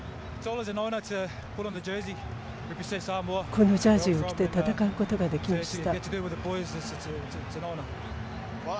このジャージを着て戦うことができました。